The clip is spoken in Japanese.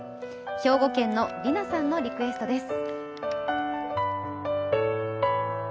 兵庫県のりなさんのリクエストです。